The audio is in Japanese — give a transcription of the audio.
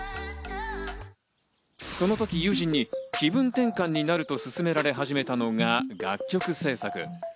その時、友人に気分転換になると勧められ、始めたのが楽曲制作。